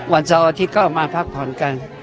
วันเสาร์อาทิตย์ก็มาพักผ่อนกัน